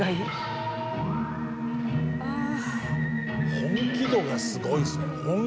本気度がすごいですね。